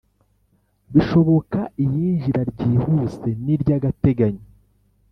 Bishoboka iyinjira ryihuse n iry agateganyo